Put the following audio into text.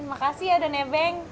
makasih ya udah nebeng